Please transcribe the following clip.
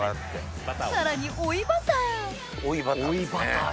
さらに追いバター追いバター。